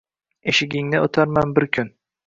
Eshigingdan o’tarman bir ku-u-un…